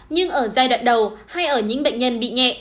nhưng ở giai đoạn đầu hay ở những bệnh nhân bị nhẹ